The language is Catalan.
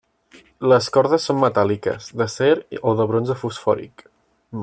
Les cordes són metàl·liques, d'acer o de bronze fosfòric.